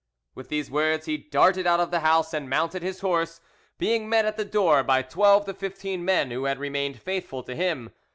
With these words, he darted out of the house and mounted his horse, being met at the door by twelve to fifteen men who had remained faithful to him.